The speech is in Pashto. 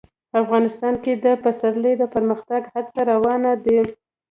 افغانستان کې د پسرلی د پرمختګ هڅې روانې دي.